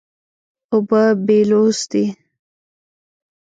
اوبه بېلوث دي.